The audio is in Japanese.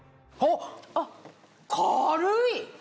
あっ軽い！